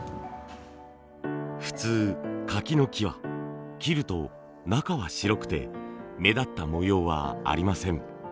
普通柿の木は切ると中は白くて目立った模様はありません。